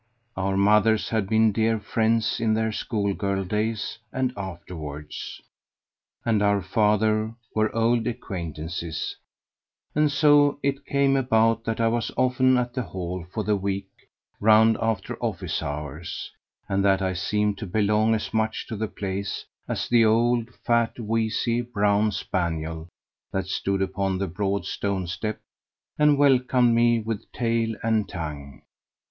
Our mothers had been dear friends in their school girl days and afterwards; and our fathers were old acquaintances; and so it came about that I was often at the Hall for the week round after office hours, and that I seemed to belong as much to the place as the old, fat, wheezy, brown spaniel that stood upon the broad stone step and welcomed me with tail and tongue.